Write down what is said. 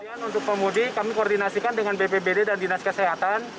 kemudian untuk pemudik kami koordinasikan dengan bpbd dan dinas kesehatan